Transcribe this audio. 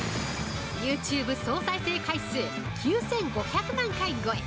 ユーチューブ総再生回数９５００万回超え。